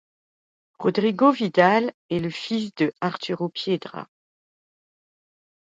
Rodrigo Vidal est le fils de Arturo Piedra.